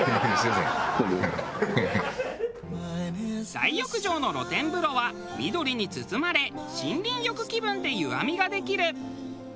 大浴場の露天風呂は緑に包まれ森林浴気分で湯浴みができる。